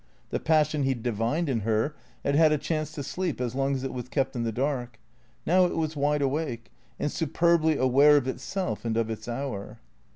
The passion he divined in her had had a chance to sleep as long as it was kept in the dark. Now it was wide awake, and superbly aware of itself and of its hour.